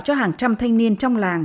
cho hàng trăm thanh niên trong làng